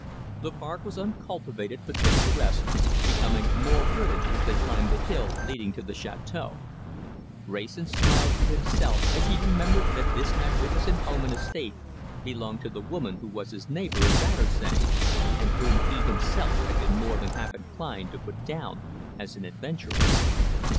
The park was uncultivated but picturesque, becoming more wooded as they climbed the hill leading to the chateâu. Wrayson smiled to himself as he remembered that this magnificent home and estate belonged to the woman who was his neighbour at Battersea, and whom he himself had been more than half inclined to put down as an adventuress.